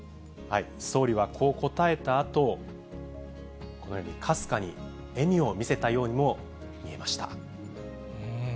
総理はこう答えたあと、このようにかすかに笑みを見せたようにも見えました。